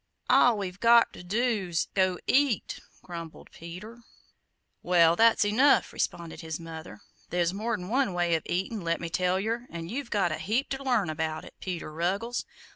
"All we've got ter do 's go eat!" grumbled Peter. "Well, that's enough," responded his mother; "there's more 'n one way of eatin', let me tell yer, an' you've got a heap ter learn about it, Peter Ruggles.